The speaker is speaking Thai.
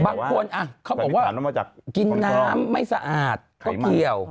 บางคนเขาบอกว่ากินน้ำไม่สะอาดก็เกี่ยว